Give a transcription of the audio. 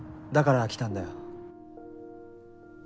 だから来たんだよ。